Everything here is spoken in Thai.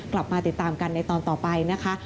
กลับมาติดตามกันในตอนต่อไปนะคะ